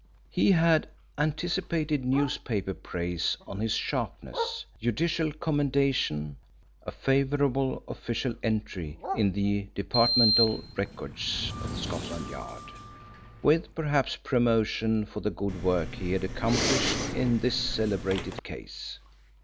He had anticipated newspaper praise on his sharpness: judicial commendation, a favourable official entry in the departmental records of Scotland Yard, with perhaps promotion for the good work he had accomplished in this celebrated case.